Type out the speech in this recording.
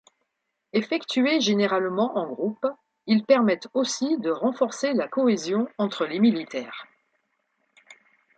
Effectués généralement en groupe, ils permettent aussi de renforcer la cohésion entre les militaires.